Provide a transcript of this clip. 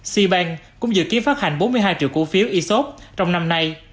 seabank cũng dự kiến phát hành bốn mươi hai triệu cổ phiếu esop trong năm nay